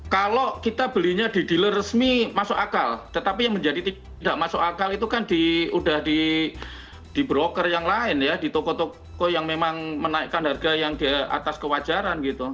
kalau kita belinya di dealer resmi masuk akal tetapi yang menjadi tidak masuk akal itu kan udah di broker yang lain ya di toko toko yang memang menaikkan harga yang di atas kewajaran gitu